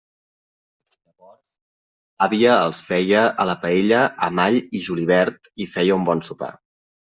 Llavors l'àvia els feia a la paella amb all i julivert, i feia un bon sopar.